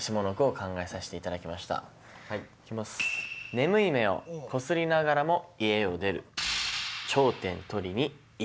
「眠い目をこすりながらも家を出る」。